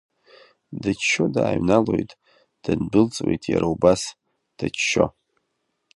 Дыччо дааҩналоит, дындәылҵуеит иара убас, дыччо.